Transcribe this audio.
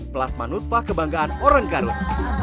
plasma nutfah kebanggaan orang garut